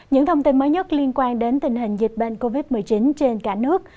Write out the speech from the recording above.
những thông tin mới nhất liên quan đến tình hình dịch bệnh covid một mươi chín trên cả nước